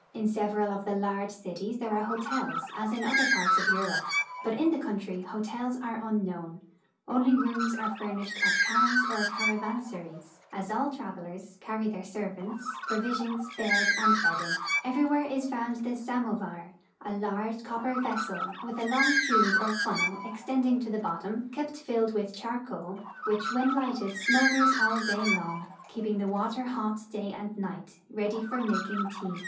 In several of the large cities there are hotels, as in other parts of Euro])e, but in tlie country hotels are unknown ; only rooms are furnished at khans or caravansaries, as all travelers carry their servants, pro visions, bed, and bedding. Everywhere is found the samovar, a large copper vessel, with a long tube or funnel extending to the bottom, kept filled with charcoal, which when lighted smoulders all day long, keeping the water hot day and night, ready for making tea.